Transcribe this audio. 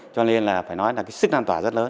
cho nên là phải nói là sức năng tỏa rất lớn